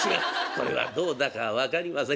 これはどうだか分かりません。